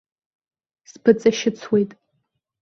Сбыҵашьыцуеит.